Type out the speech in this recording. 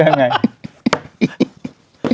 อเจมส์โดยยังไง